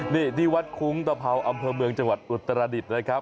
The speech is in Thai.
นี่ที่วัดคุ้งตะเผาอำเภอเมืองจังหวัดอุตรดิษฐ์นะครับ